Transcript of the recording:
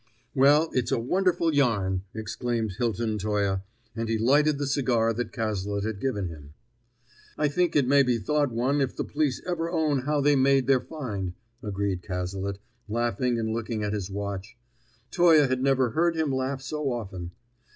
"Well, it's a wonderful yarn!" exclaimed Hilton Toye, and he lighted the cigar that Cazalet had given him. "I think it may be thought one if the police ever own how they made their find," agreed Cazalet, laughing and looking at his watch. Toye had never heard him laugh so often.